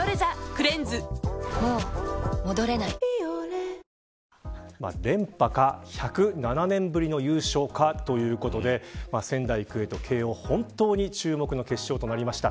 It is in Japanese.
「アタックＺＥＲＯパーフェクトスティック」連覇か、１０７年ぶりの優勝かということで仙台育英と慶応本当に注目の決勝となりました。